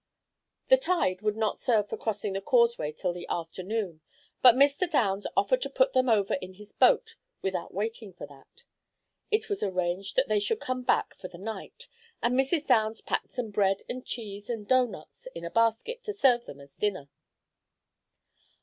The tide would not serve for crossing the causeway till the afternoon, but Mr. Downs offered to put them over in his boat without waiting for that. It was arranged that they should come back for the night, and Mrs. Downs packed some bread and cheese and doughnuts in a basket to serve them as dinner.